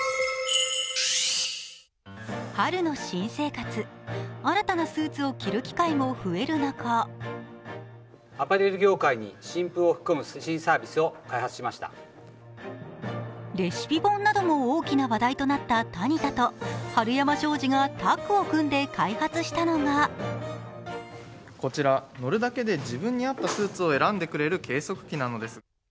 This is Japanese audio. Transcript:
春の新生活、新たなスーツを着る機会も増える中レシピ本なども大きな話題となったタニタとはるやま商事がタッグを組んで開発したのがこちら乗るだけで自分に合ったスーツを選んでくれる計測器です。